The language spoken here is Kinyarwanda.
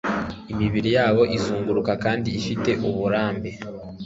imibiri yabo izunguruka kandi ifite uburambe